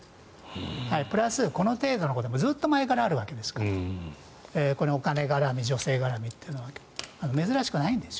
プラス、この程度のことはずっと前からあるわけですからお金絡み、女性絡みというのは珍しくないんです。